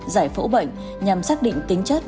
giải phẫu bệnh nhằm xác định tính chất